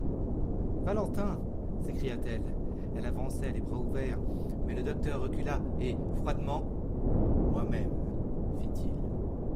Valentin !… s'écria-t-elle ! Elle avançait, les bras ouverts ; mais le docteur recula et, froidement : Moi-même, fit-il.